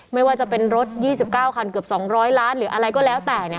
ไม่ว่าจะเป็นรถ๒๙คันเกือบ๒๐๐ล้านหรืออะไรก็แล้วแต่